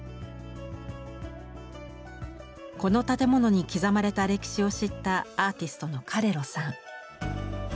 この建物に刻まれた歴史を知ったアーティストのカレロさん。